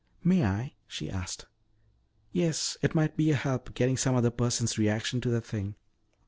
"May I?" she asked. "Yes. It might be a help, getting some other person's reaction to the thing.